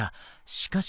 しかし。